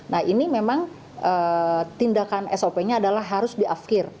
nah ini memang tindakan sop nya adalah harus diafkir